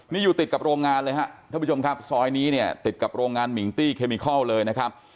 นี่อยู่ติดกับโรงงานเลยฮะท่านผู้ชมครับซอยนี้เนี่ยติดกับโรงงานมิงตี้เคมิคอลเลยนะครับ